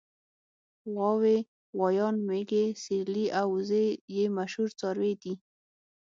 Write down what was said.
غواوې غوایان مېږې سېرلي او وزې یې مشهور څاروي دي.